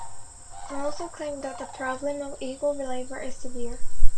Some also claim that the problem of illegal labour is severe.